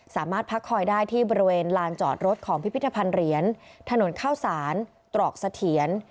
สามารถพักคอยได้ที่บริเวณลานจอดรถของพิพิธภัณฑ์เหรียญถนนข้าวสารตรอกเสถียร